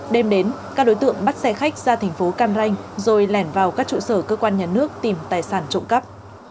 đêm đến các đối tượng bắt xe khách ra thành phố cam ranh rồi lẻn vào các trụ sở cơ quan nhà nước tìm tài sản trộm cắp